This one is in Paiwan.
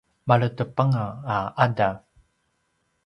maledepanga a ’adav